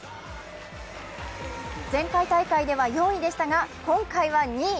前回大会では４位でしたが、今回は２位。